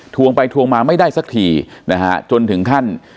วงไปทวงมาไม่ได้สักทีนะฮะจนถึงขั้น